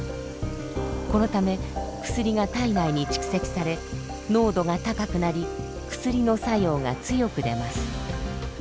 このため薬が体内に蓄積され濃度が高くなり薬の作用が強くでます。